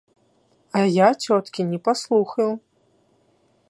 А я цёткі не паслухаю.